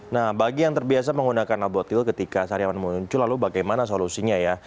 nah bagi yang terbiasa menggunakan albotil ketika sariawan muncul lalu bagaimana solusinya ya